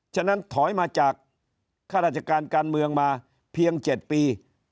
ฉะนั้นถอยมาจากข้าราชการการเมืองมาเพียง๗ปี